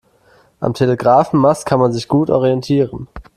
Am Telegrafenmast kann man sich gut orientieren.